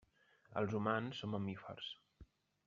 Els humans són mamífers.